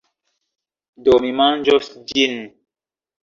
Do. Mi manĝos ĝin.